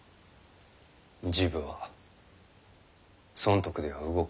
治部は損得では動かん。